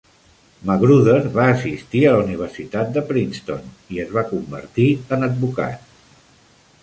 Magruder va assistir a la Universitat de Princeton i es va convertir en advocat.